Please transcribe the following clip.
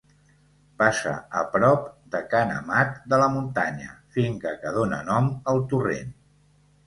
Passa a prop de Ca n'Amat de la Muntanya, finca que dóna nom al torrent.